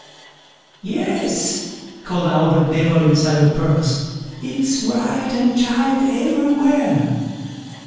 "Yes", called out the Devil inside the purse; "it's right and tight everywhere."